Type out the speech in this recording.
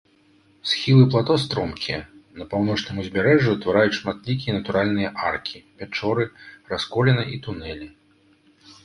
Схілы плато стромкія, на паўночным узбярэжжы ўтвараюць шматлікія натуральныя аркі, пячоры, расколіны і тунэлі.